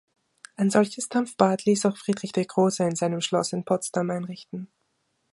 Ein solches Dampfbad ließ auch Friedrich der Große in seinem Schloss in Potsdam einrichten.